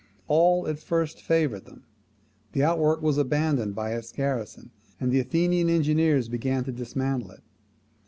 All at first favoured them. The outwork was abandoned by its garrison, and the Athenian engineers began to dismantle it.